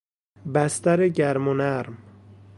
بستر گرم و نرم